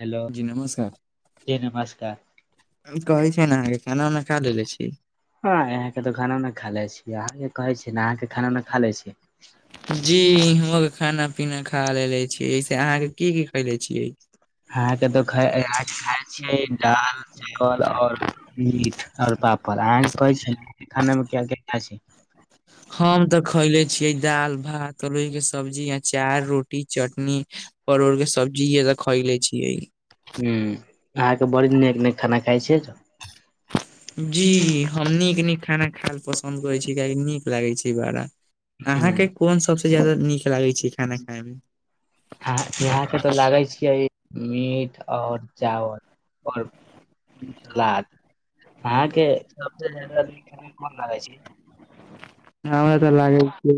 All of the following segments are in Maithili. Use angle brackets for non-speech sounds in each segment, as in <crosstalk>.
हेलो जी नमस्कार जी नमस्कार कहै छै ने अहाँके खाना उना खा लेले छी हँ हहके तऽ खाना ऊना ख़ा लेने छि यहके कहै छै ने अहाँके खाना उना खा लेल छी इ के खाना पीना खा लेले छीयै इस अहाँ के की की खैले छीयै अहाके त अहके खाय छी दाल चपल और मीट और पापड़ अहाँ के कहै छियै ने खाना मे क्या क्या ख़ा छि <inaudible> हम तऽ खैले छीयै दाल भात अरोइ के सब्जी अचार रोटी चटनी नी परोड़ के सब्जि इ खइले छिये ह अहाँके बड़ी नीक नीक खाना खाइ छियै जी हम नीक नीक खाना खायल पसन्द करैत छी कियाकि नीक लागैत छै बड़ा अहाँके हूँ, कोन सभसँ ज्यादा नीक लागैत छै खाना खायमे अहा यहा के तो लागे छियै मीट और चावल ओओर सलाद अहाँके सबसे जादा कोन लागै छै हमरा तऽ लागै कि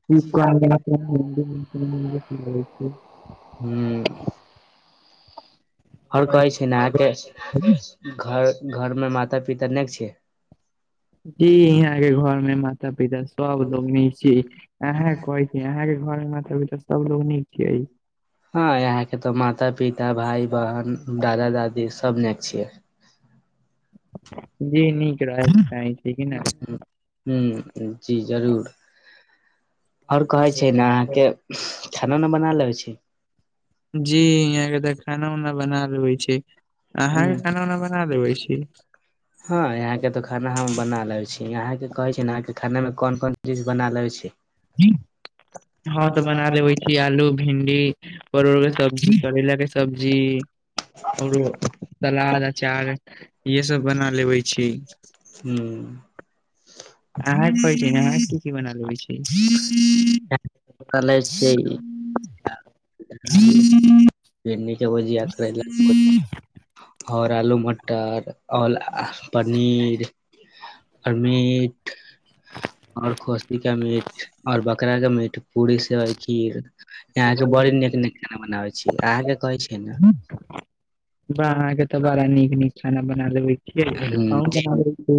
तप <unintelligible> हूँ आओर कहै छै ने अहाके घर घर मे माता पिता नहि छै जी यहाँ के घर मे माता पिता सब लोगनि छी अहाँ को यहाँ के घर मे मबी तऽ सब लोग नीक छिये हँ यहाँके तऽ माता पिता भाइ बहिन दादा दादी सब ने छियै जी नीक रहैके चाही कि न हूँ जी जरूर आओर कहै छै ने अहाँके खाना ने बना लेबै छै जी यहाँके देख खाना उना बना देबे छी अहाँके खाना उना बना देबे छी हँ यहा के तो खाना हम बना ले छी यहा के कहे छीहाँ के खाना में कोन कोन चीज बना ले छी हँं तऽ बना लेबे छी आलू भिंडी परोड़ के सब करैला के सब्जी ओरो सलाद अचार यहेसभ बना लेबै छी हुँ अहाँ कहै छै अहाँ की की बना लेबै छी कलै छी यऽ भिंडि के भुजिया करैला के भुजिया ओर आलू मटर ओर पनीर आर मीट और खोसी का मीट और बकरा का मीट पूरी सेबइ खीर अहाँ के बड़ नीक नीक खाना बनाबै छी अहाँके कहै छैै ने अहाँके तऽ बड़ा नीक नीक खाना बना लेबै छियै अहू हुं जी बना लैत छी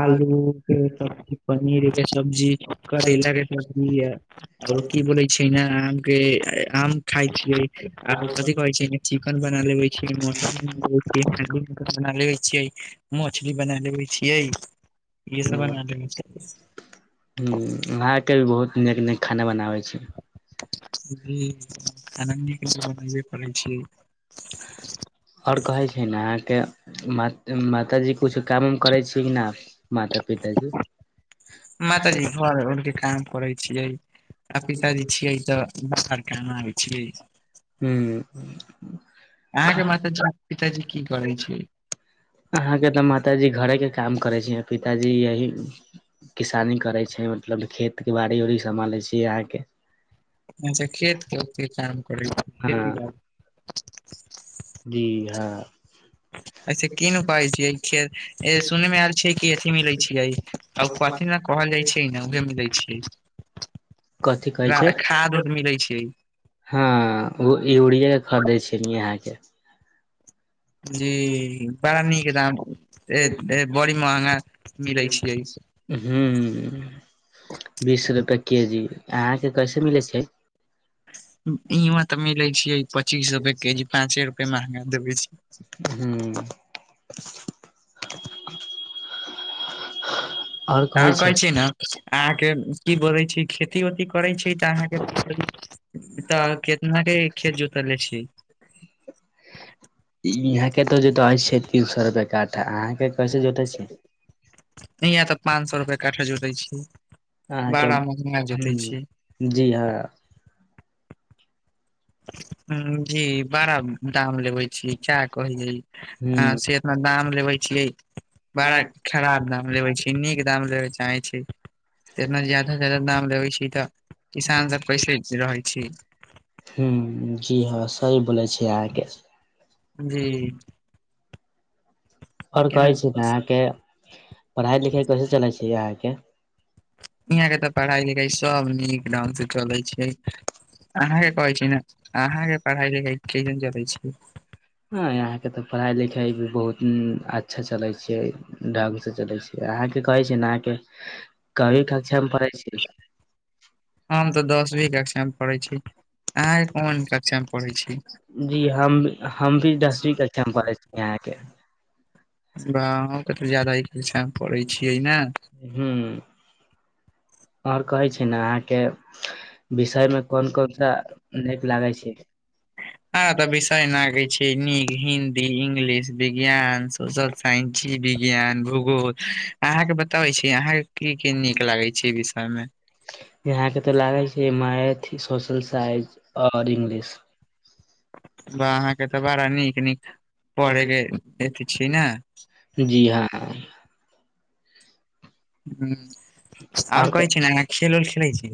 आलू के सब्जी पनीर के सब्जी करैला के सब्जी यऽ आआरो की बोलै छै ने आम के आम खाइ छियै आओर कथि कहै छै चिकेन बना लेबे छै मटन बना लेबे छियै मछली बना लेबे छियै इहे हू सब बना लेबे छियै अहाँके भी बहुत निक निक खाना बनाबै छी जी अहाँ जे खाना नीक नीक बनबे करै छी आओर कहै छै ने अहाँके मा माताजी किछु काम उम करै छियै कि न माता पिताजी मातााजी घर उर के काम करे छियै आ पिताजी छियै तऽ बस कमाय छिय हू अहाँके माता जा पिताजी की करै छै अहाँ के तऽ माताजी घरे के काम करे छी पिताजी यही किसानी करै छै मतलब खेत के बाड़ी उड़ी सम्हालै छी अहाँके अच्छा खेतके के काम करै खेती हँ बाड़ी जी हँ ऐसे कीन उपाय छिय खे सुन मे आयल छै कि अथी मिलै छियै आ कथी ने कहल जाइ छै ने उहेमे दै छैै कथि कहै छै छै हँ ओ यूरिया खरीदे छै न यहाँ के जी बड़ा नीक दाम बड़ी महंगा मिलै छियै हू हऽ बीस रुपय के जी अहाँके कैसे मिलै छै इहं तऽ मिले छै पच्चीस रुप के जी पाँचे रुपए महंगा देबे छी हू आओर कहै छी ने अहाँके की बोलै छी खेती ओती करैत छी तऽ अहाँके तऽ खेतनाहरे के खेत जोतल अछी इहाँके तऽ जोतआव छै तीन सए रुपै तऽ अहाँके कैसे जोते छियै इह तऽ पांच सए रुपआ क्ठा जोते छै अहाँके बारा महिना जोते छी हूं जी हँ हॅं जी बड़ा दाम लेबे छी का कहहिै हूं आ सै तऽ दाम लेवे छीये बड़ा खराब दाम लेवे छी चिन्नीक के दाम लेबऽ चाहे छी तना ज्यादा से जादा दाम लेबे छी तऽ किसान सब कैसे रहै छै ह जी हँ सही बोले छी अहाँके जी आओर कहै छी ने अहाँके पढ़ाई लिखाई कैसे चलै छी अहाँके यहाँ के तऽ पढ़ाई लिखाई सब नीक ढंग से चलै छै अहाँके कहै छी ने अहाँके पढाई लिखाई केहन चलै छी ह यहां के ते पढ़ाई लिखाई भी बहुत अच्छा चले छै ढंग से चले छै अहाँके कहै छी ने अहाँके कवी कक्षामे पढ़ै छी हम तऽ दसवीं कक्षा में पढ़ै छी अहाँके कोन कक्षामे पढ़ै छी जी हम हम भी दसवीं कक्षा मे पढ़ै छी अहाँके ब अहुं के तऽ जादा इ कक्षा में पड़ै छियै ने हूं आओर कहै छै ने अहाँके विषय में कोन कोन सा नीक लागे छै हँ तऽ विषय न गै छै नीक हिन्दी इंग्लिश विज्ञान सोशल सइन्स जीव विज्ञान भूगोल अहाँके बताबै छी अहाँके की की नीक लागै छै विषय मे यहाँ के तऽ लागै छै मैथ सोशल साइंस आऔर इंग्लिश ब अहाँके तऽ बड़ा नीक नीक पढे के एत छी ने आ ह आओर कहै छै ने अहां खेल उल खेलै छै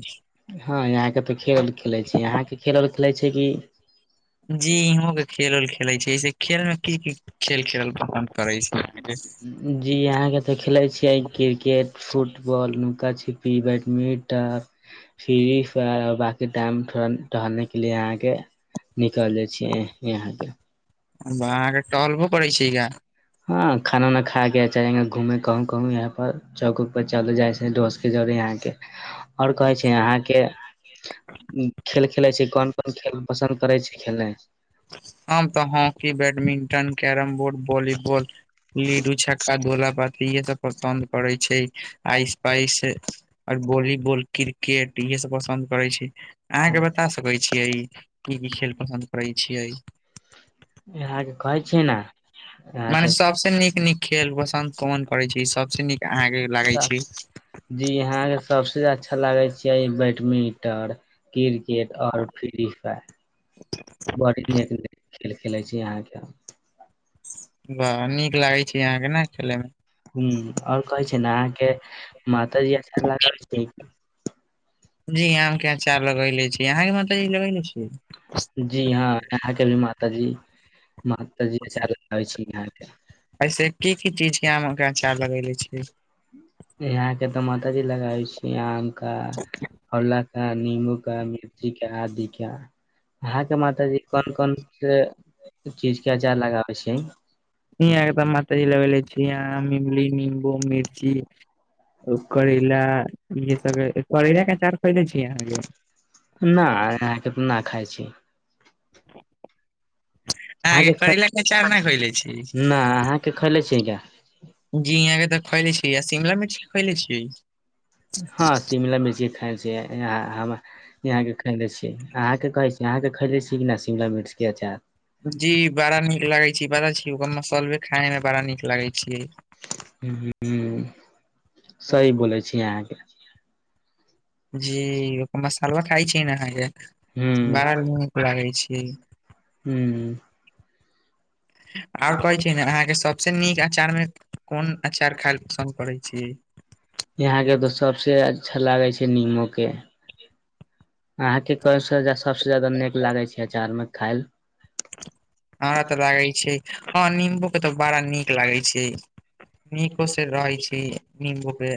हँ यहाँके तऽ खेल खेलैत छी यहाँके खेल आओर खेलैत छै कि जी हो गेल खेल उल खेलै छैसे खेल मे की की खेल खेलल पसन्द करै छै अहांके जी अहाँके तऽ खेलै छियै क्रिकेट फुटबॉल नुका छिपी बैडमिंटन फि्र फेर आओर बांकी टाइम थोड़ा टहलनेके लिए अहाँके निकलि जाइ छियै यहाँके ब अहाँके टहलबो कड़ै छिये गा हँ खाना उना खा के <unintelligible> घूमे कहुू कहूं यहाँ पर चौक उक पर चल जाइ छै दोस्त के जरे अहां के ह आओर कहै छै अहाँके खेल खेलै छी कोन खेल पसन्द करै छै खेलनाइ हम तऽ hockey badminton carrom board volleyball लीडू छ ्का धोला पाती इहे सब पसन्द पड़ै छै आइस पाइस आओर बोली बोल क्रिकेट इहे सब पसन्द करे छै अहाँके बता सकै छीियै की की खेल पसन्द करैत छियै यहाँके कहै छियै ने मने सबस अहाँके नीक नीक खेल पसत कोन करै छी सबस नीक अहाँके लागै छी जी यहाँ के सबसे अच्छा लागे छै क बैडमिंटन क्रिकेट आऔर फ्री फायर बड़ नीक न खेल खेलै छी अहाँके हम वाह नीक लागै छै अहाँके नै खेले म ह आओर कहै छै ने अहाँके मातााजी आचार लगाबे छै जी आम के अचार लगेले छी अहाँ के माता जी लगेले छीयै जी हँ अहाँ के भी माता जी माता जी अचार लगाबे छी यहाँ के ऐसे की की चीज के आम के अचार लगेेले छिये यहाँके तऽ माताजी लगाबै छिये आम का आओर नवका नींबू का मिर्ची का आदि का अहाँ के मातााजी कोन कोन से चीज के आचार लगाबे छै हीया के तऽ माताजी लेबे ले छी आम इमली निम्बू मिर्ची करैला ईहे सब करैला के अचार खइले छीय अहाँके नइ अहाँके न खाइ छी अहाँ आहाँकेँ के करेला केऽ आचार नऽ खैले छी न ना आहाँ अहाँके खैले छियै क्या केऽ तऽ खोले छी आ शिमला मिर्च खैले छी हँ शिमला मिर्ची खयने छिये यहाँ हम यहाँके अहाँके कहै छी अहाँके खैले छी कि नहि शिमला मिर्चके अचार जी बड़ा नीक लगे छै बड़ा छी ओकर मसाले खाय मे बड़ा नीक लगे छै सही बोलै छी आहाँकेँ जी ओ मसाला खााय छी न आहाँकेँ बड़ा ह नीक लागे छै हूँ आओर कहै छै नऽ अहाँके सबस नीक अचार मे कोन अचार खायल पसन्द करै छै छिये आहाँ के तो सबसे अच्छा लागे छै निमोके अहाँके कह सबसँ जादा नीक लागै छै अचार मे खायल हमरा तऽ लागे छै हँ नंबू के तऽ बड़ा नीक लागे छै निकोसे रइ छी निबूके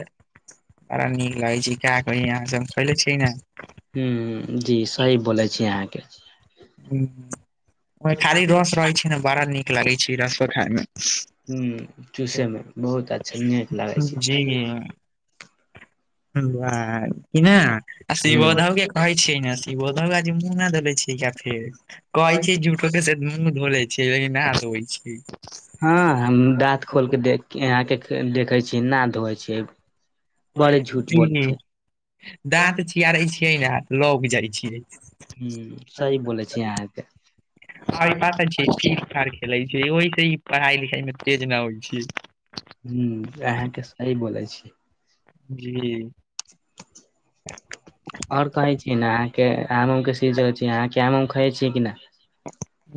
बरा नीक लागै छै का कही आहाँकेँ खैले छै न हूँ जी सही बोलै छी अहाँके ओ खाली रस रहै छै न बड़ा नीक लागे छै रसो खाय मे हुँ चूसेमे बहुत अच्छा नीक लागै छै बाह कि ने शिबोधो कि ह कहै छ नइ शिबोधो भाइजी मुँह नऽ धोले छै का फेर कहै छै झु मुँह धो ले छी लेकिन नहा धोवे छीयै हँ हम दाँत खोलके देख आहाँकेँ देखै छी ना धोइ छै दाँत चिआरे छियै न लौक जाइ ह छियै सही बोले छी अहाँके ई पात छै ठीक सार खेलै छै ओहि से ही पढ़ाई लिखाई मे तेज न होइ छै अहाँके सही बोलै छी जी और कहै छी न अहाँके आम उम के सीजन छै अहाँके आम उम खाइ छीयै कि न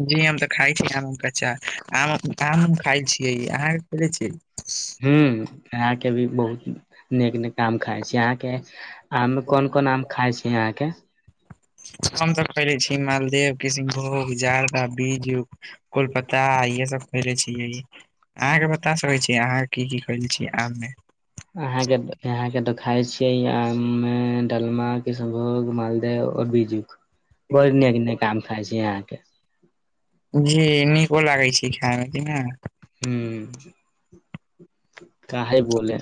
जी हम तऽ खाइ छी आम उम कऽ अचार आम उम आम उम खइल छियै अहाँके खेले छिये हु अहाँके भी बहुत नेक निक आम खाइ छी अहाँके आम मे कोन छियै कोन आम खाय छी अहाँके खइले छी मालदेव किशनभोग जारदा बीजू कोलपता इे सब खैले छिय अहाँके बता कहै छै अहाँ की की खैले छीये आम मे आहाँ के आहाँ के त खाय छियै आम म डलमा किशभोग मालदेव बीजू बड़ नीक आम खाइ छै आहाँ के जी नीको लागै छै खाय मे कि न हू काहे बोले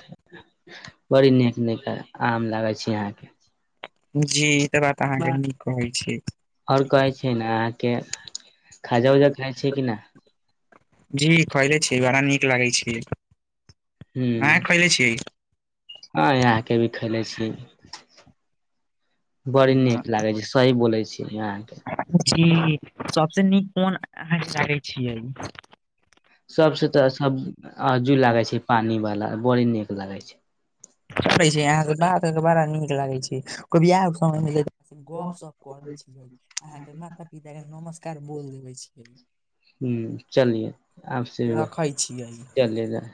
बड़ी नीक नीक आम लागे छी अहाँके जी ई तऽ बात अहाँके न कहै छी आओर कहै छै ने अहाँके खाजा उजा खाइ छ कि नहि जी खैले छी बड़ा नीक लागे छै हु अहाँ खैले छियै यहाँके भी खेलै छी बड़ी नीक लागे छै सही बोले छीह जी सभसँ नीक कोन आम लागै छियै सबस तऽ सब आजू लागे छै पानी वाला बड़ी नीक लागे छै छपै छै यहाँ के बात बड़ा नीक लागै छै समयप करै छिय अहाँ <unintelligible> ईक नमस्कार बोल देबे छियै ह चलिए आपसे रखै छियै चलिये